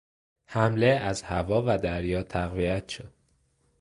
حمله از هوا و دریا تقویت شد.